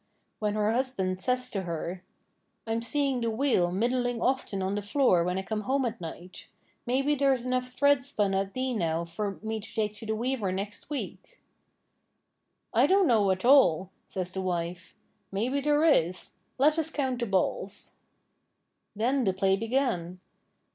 When her husband says to her: 'I'm seeing the wheel middling often on the floor when I come home at night; maybe there's enough thread spun at thee now for me to take to the weaver next week?' 'I don't know, at all,' says the wife. 'Maybe there is; let us count the balls.' Then the play began!